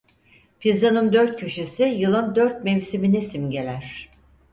Pizzanın dört köşesi yılın dört mevsimini simgeler.